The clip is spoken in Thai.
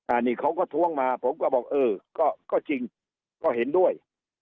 อันนี้เขาก็ท้วงมาผมก็บอกเออก็จริงก็เห็นด้วย